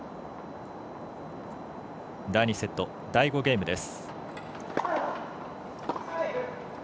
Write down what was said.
第２セット第５ゲームです。